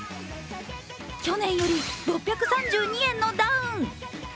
去年より６３２円のダウン。